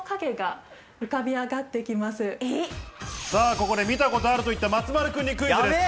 ここで見たことあると言った松丸君にクイズです。